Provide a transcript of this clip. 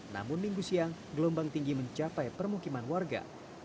namun minggu siang gelombang tinggi mencapai permukiman warga